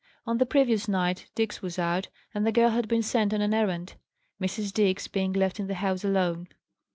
On the previous night Diggs was out, and the girl had been sent on an errand, Mrs. Diggs being left in the house alone.